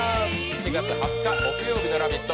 ７月２０日木曜日の「ラヴィット！」